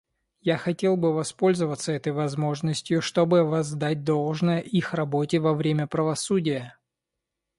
Я хотел бы воспользоваться этой возможностью, чтобы воздать должное их работе во имя правосудия.